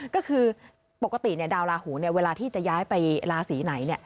ก็คือปกติเนี่ยดาวลาหูเนี่ยเวลาที่จะย้ายไปลาศรีไหนเนี่ย